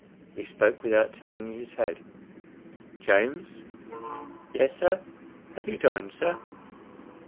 He spoke without turning his head. "James!" "Yes, sir. Have you dined, sir?"